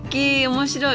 面白い。